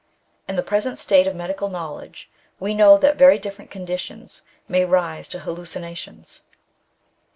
In the present state of medical knowledge, we know that very different conditions may give rise to hallu cinations.